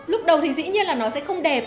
lúc đầu thì dĩ nhiên là nó sẽ không đẹp